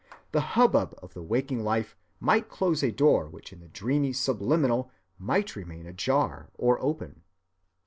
The hubbub of the waking life might close a door which in the dreamy Subliminal might remain ajar or open.